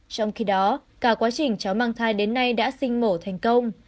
trong khi đó cả quá trình cháu mang thai đến nay đã sinh mổ thành công